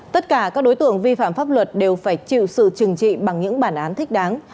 tất cả các đối tượng vi phạm pháp luật đều phải chịu sự trừng trị bằng những bản án thích đáng